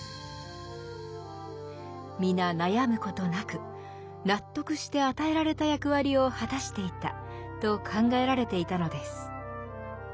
皆悩むことなく納得して与えられた役割を果たしていたと考えられていたのです。